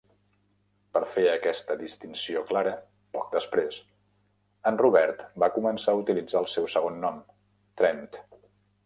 Per fer aquesta distinció clara, poc després, en Robert va començar a utilitzar el seu segon nom "Trent".